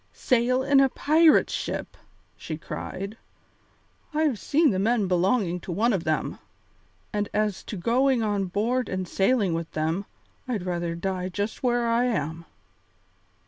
"Sail in a pirate ship?" she cried. "I've seen the men belonging to one of them, and as to going on board and sailing with them, I'd rather die just where I am."